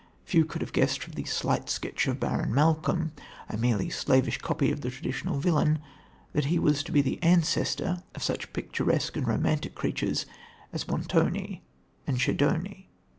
Few could have guessed from the slight sketch of Baron Malcolm, a merely slavish copy of the traditional villain, that he was to be the ancestor of such picturesque and romantic creatures as Montoni and Schedoni.